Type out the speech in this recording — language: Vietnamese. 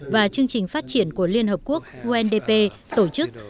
và chương trình phát triển của liên hợp quốc undp tổ chức